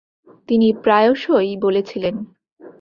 তিনি প্রায়শই বলেছিলেন: